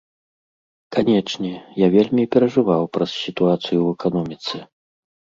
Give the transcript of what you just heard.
Канечне, я вельмі перажываў праз сітуацыю ў эканоміцы.